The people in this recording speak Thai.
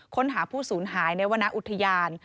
ค้นหาผู้สูญหายในวรรณอุทยาน